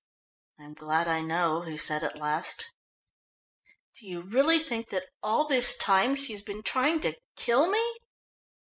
"I'm glad I know," he said at last. "Do you really think that all this time she has been trying to kill me?"